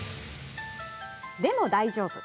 でも大丈夫。